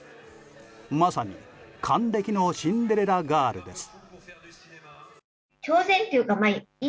まさに還暦のシンデレラガールです。